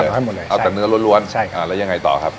ตัดออกให้หมดเลยใช่เอาแต่เนื้อร้วนร้วนใช่ครับอ่าแล้วยังไงต่อครับ